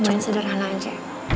kemudian sederhana aja